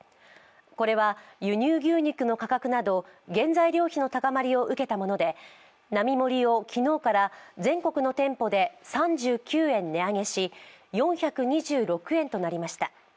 これは、輸入牛肉の価格など原材料費の高まりを受けたもので並盛を昨日から全国の店舗で３９円値上げし４２６円となりました。